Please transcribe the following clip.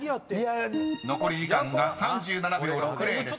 ［残り時間が３７秒６０です。